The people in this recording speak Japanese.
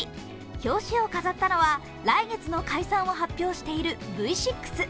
表紙を飾ったのは、来月の解散を発表しているＶ６。